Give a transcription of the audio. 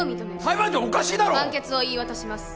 判決を言い渡します